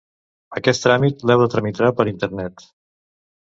Aquest tràmit l'heu de tramitar per internet.